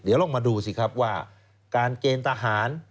เดี๋ยวลองมาดูสิครับว่าการเกณฑ์ทหาร